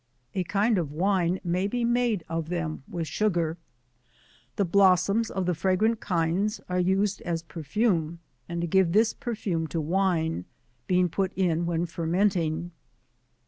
A kind of Wine may be made ot them with sugar. The blossoms of the fragrant kinds are used as per fume, and to give this perfume to Wine, being put in when fermenting.